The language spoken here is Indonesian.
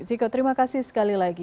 ziko terima kasih sekali lagi